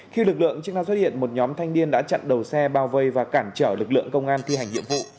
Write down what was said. khi lực lượng chức năng xuất hiện một nhóm thanh niên đã chặn đầu xe bao vây và cản trở lực lượng công an thi hành nhiệm vụ